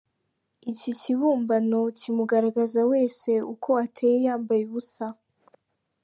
Iki kibumbano kimugaragaza wese uko ateye yambaye ubusa.